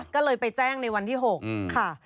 ก็เลยไปแจ้งในวันที่๖ค่ะ